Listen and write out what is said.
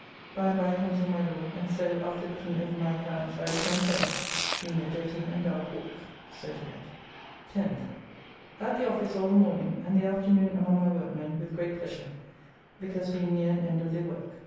By and by comes in my Lord, and so, after looking over my accounts, I returned home, being a dirty and dark walk. So to bed. 10th. At the office all the morning, and the afternoon among my workmen with great pleasure, because being near an end of their work.